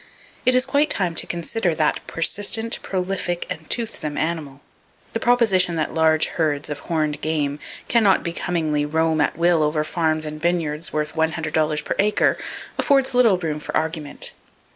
It is quite time to consider that persistent, prolific and toothsome animal. The proposition that large herds of horned game can not becomingly roam at will over farms and vineyards worth one hundred dollars per acre, affords little room for argument.